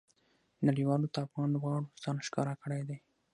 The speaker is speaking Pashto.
نړۍوالو ته افغان لوبغاړو ځان ښکاره کړى دئ.